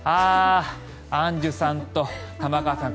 アンジュさんと玉川さん